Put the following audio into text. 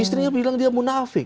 istrinya bilang dia munafik